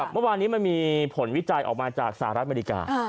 เมื่อวานนี้มันมีผลวิจัยออกมาจากสหรัฐอเมริกา